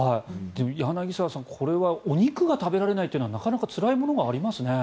柳澤さん、これはお肉が食べられないというのはなかなかつらいものがありますね。